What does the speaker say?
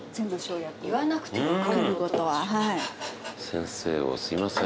先生すいません。